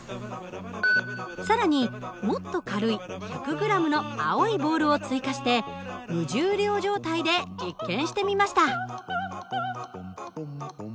更にもっと軽い１００ｇの青いボールを追加して無重量状態で実験してみました。